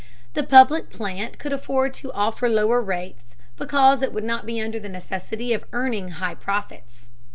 The public plant could afford to offer lower rates, because it would not be under the necessity of earning high profits.